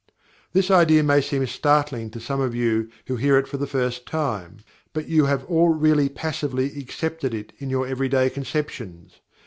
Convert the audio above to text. This idea may seem startling to some of you who hear it for the first time, but you have all really passively accepted it in your everyday conceptions.